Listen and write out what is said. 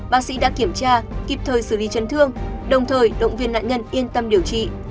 bác sĩ đã kiểm tra kịp thời xử lý chấn thương đồng thời động viên nạn nhân yên tâm điều trị